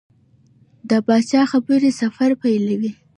د پاچا خبرې سفر پیلوي.